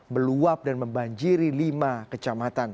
meluap dan membanjiri lima kecamatan